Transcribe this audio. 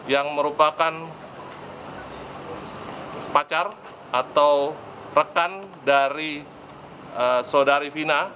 yang merupakan pacar atau rekan dari saudari fina